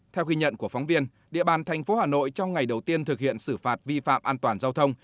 theo ghi nhận của phóng viên địa bàn thành phố hà nội trong ngày đầu tiên thực hiện xử phạt vi phạm an toàn giao thông